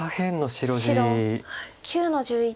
白９の十一。